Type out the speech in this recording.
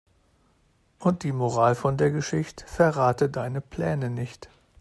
Und die Moral von der Geschicht': Verrate deine Pläne nicht.